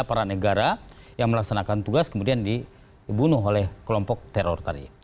aparat negara yang melaksanakan tugas kemudian dibunuh oleh kelompok teror tadi